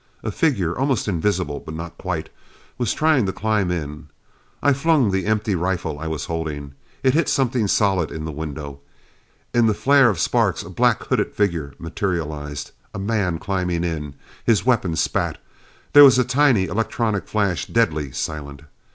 A figure, almost invisible but not quite, was trying to climb in! I flung the empty rifle I was holding. It hit something solid in the window. In a flare of sparks a blackhooded figure materialized. A man climbing in! His weapon spat. There was a tiny electronic flash, deadly silent.